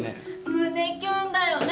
胸キュンだよね。